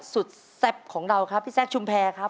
แซ่บของเราครับพี่แซคชุมแพรครับ